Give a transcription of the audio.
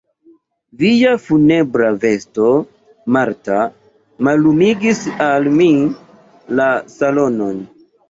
Via funebra vesto, Marta, mallumigis al mi la salonon.